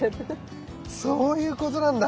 そういうことなんだ。